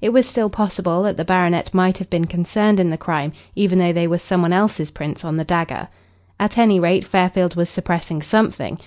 It was still possible that the baronet might have been concerned in the crime even though they were some one else's prints on the dagger. At any rate Fairfield was suppressing something.